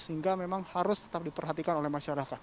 sehingga memang harus tetap diperhatikan oleh masyarakat